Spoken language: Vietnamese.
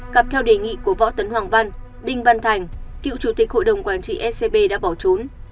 cặp theo đề nghị của võ tấn hoàng văn đinh văn thành cựu chủ tịch hội đồng quản trị scb đã bỏ trốn